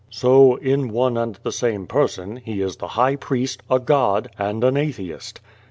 "So, in one and the same person, he is the High Priest, n god, and an atheist."